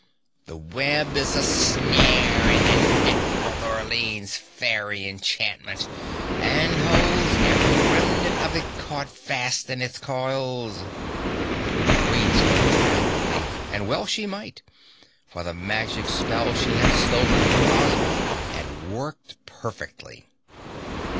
The web is a snare and a net for Lurline's fairy enchantment and holds every remnant of it caught fast in its coils." The Queen spoke triumphantly, and well she might, for the magic spell she had stolen from Ozma had worked perfectly.